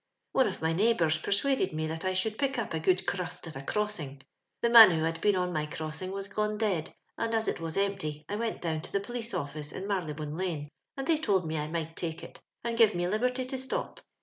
" One of my neighbours persuaded me that I should pick up n good currust at a crossing. The man who had been on my crossing was gone dead, and as it was empty, I went down to the police office, iu Murylebone Lane, and they told me I might take it, and give me liberty to stop.